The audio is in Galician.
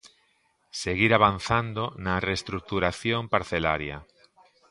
Seguir avanzando na reestruturación parcelaria.